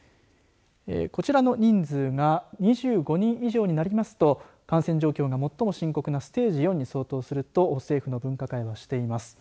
こちらの人数が２５人以上になりますと感染状況が最も深刻なステージ４に相当すると政府の分科会はしています。